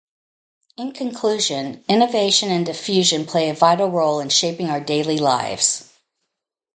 In conclusion, innovation and diffusion play a vital role in shaping our daily lives.